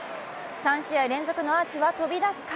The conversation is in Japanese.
３試合連続のアーチは飛び出すか。